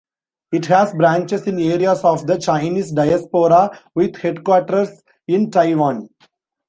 It has branches in areas of the Chinese diaspora, with headquarters in Taiwan.